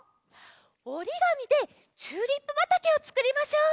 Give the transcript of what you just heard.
おりがみでチューリップばたけをつくりましょう！